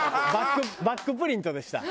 バックプリントでした。